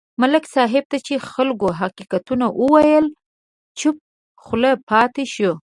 ملک صاحب ته چې خلکو حقیقتونه وویل، چوپه خوله پاتې شو.